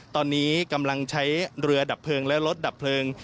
ตอนนี้กำลังใช้เรือดับเพลิงและรถดับเพลิง